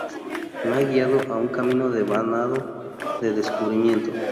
Me ha guiado a un camino devanado de descubrimiento.